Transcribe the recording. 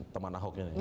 teman ahoknya nih